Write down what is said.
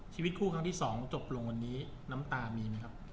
ชีวิตคู่ครั้งที่๒จบลงวันนี้น้ำตามีไหมครับ